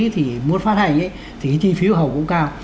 thì muốn phát hành thì chi phí hầu cũng cao